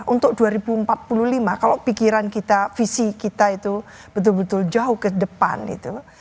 untuk dua ribu empat puluh lima kalau pikiran kita visi kita itu betul betul jauh ke depan itu